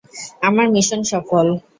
আমার মিশন সফল।